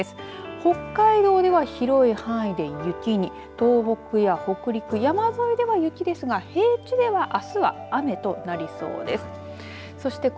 北海道では広い範囲で雪に東北や北陸、山沿いでは雪ですが、平地ではあすは雨となりそうです。